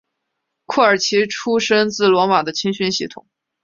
库尔奇出身自罗马的青训系统。